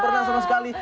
belum pernah sama sekali